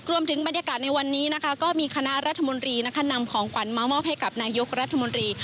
บรรยากาศในวันนี้นะคะก็มีคณะรัฐมนตรีนำของขวัญมามอบให้กับนายกรัฐมนตรี